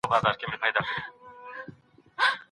تاریخي واقعیت په پوره امانتدارۍ سره ولیکل شو.